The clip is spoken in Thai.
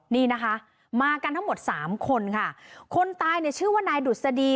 นี่นะคะมากันทั้งหมดสามคนค่ะคนตายเนี่ยชื่อว่านายดุษฎี